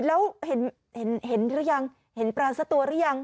แล้วเห็นหรือยังเห็นปลาสักตัวหรือยัง